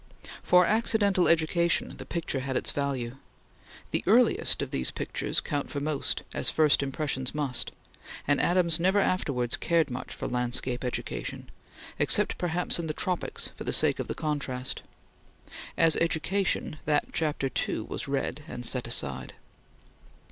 For accidental education the picture had its value. The earliest of these pictures count for most, as first impressions must, and Adams never afterwards cared much for landscape education, except perhaps in the tropics for the sake of the contrast. As education, that chapter, too, was read, and set aside.